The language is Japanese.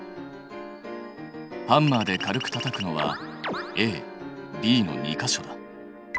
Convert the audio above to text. ハンマーで軽くたたくのはＡＢの２か所だ。